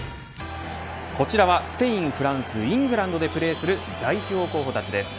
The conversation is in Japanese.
こちらはスペイン、フランスイングランドでプレーする代表候補たちです。